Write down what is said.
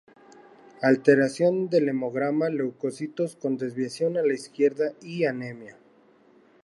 Alteración del hemograma: leucocitos con desviación a la izquierda y anemia.